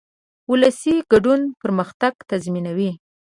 ولسي ګډون پرمختګ تضمینوي.